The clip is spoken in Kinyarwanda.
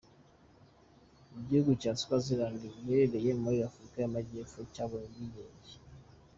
Igihugu cya Swaziland giherereye muri Afurika y’amajyepfo cyabonye ubwigenge.